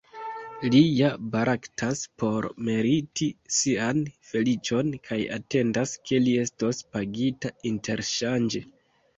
Li ja baraktas por meriti sian feliĉon, kaj atendas ke li estos pagita interŝanĝe.